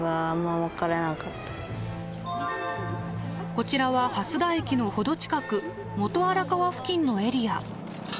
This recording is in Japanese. こちらは蓮田駅の程近く元荒川付近のエリア。